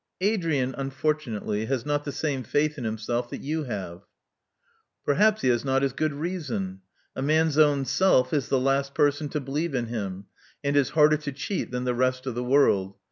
"* 'Adrian, unfortunately, has not the same faith in himself that you have. ''Perhaps he has not as good reason. A man's own self is the last person to believe in him, and is harder to cheat than the rest of the world.